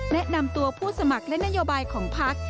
แนะนำตัวผู้สมัครและนโยบายของพัก